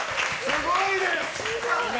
すごいです！